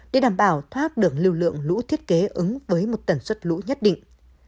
để đảm bảo thoát được lưu lượng lũ thiết kế ứng với một tần suất lũ nhất định